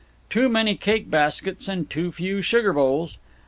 Too many cake baskets and too few sugar bowls.